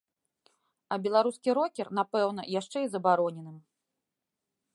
А беларускі рокер, напэўна, яшчэ і забароненым.